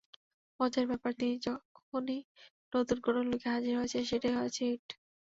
মজার ব্যাপার, তিনি যখনি নতুন কোনো লুকে হাজির হয়েছেন, সেটাই হয়েছে হিট।